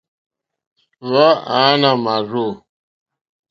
Hwáǃánáá màrzô.